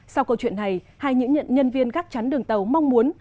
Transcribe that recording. sau câu chuyện này hai nhẫn nhân viên gác chắn đường tàu mong muốn